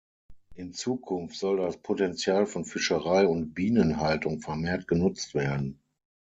In Zukunft soll das Potenzial von Fischerei und Bienenhaltung vermehrt genutzt werden.